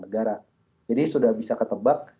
negara jadi sudah bisa ketebak